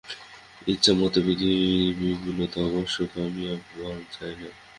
ইতিমধ্যে পৃথিবীর বিপুলতা অবশ্য কমিয়া যায় নাই।